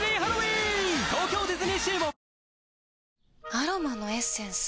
アロマのエッセンス？